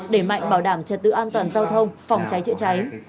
để mạnh bảo đảm trật tự an toàn giao thông phòng cháy chữa cháy